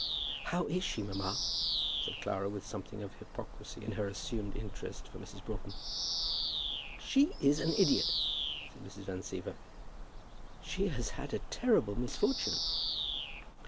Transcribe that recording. "How is she, mamma?" said Clara with something of hypocrisy in her assumed interest for Mrs. Broughton. "She is an idiot," said Mrs. Van Siever. "She has had a terrible misfortune!"